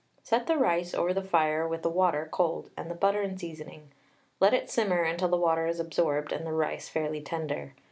Set the rice over the fire with the water (cold) and the butter and seasoning; let it simmer until the water is absorbed and the rice fairly tender.